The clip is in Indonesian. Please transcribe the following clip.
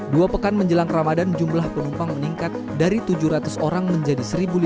dua pekan menjelang ramadan jumlah penumpang meningkat dari tujuh ratus orang menjadi satu lima ratus